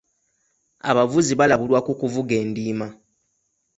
Abavuzi balabulwa ku kuvuga endiima.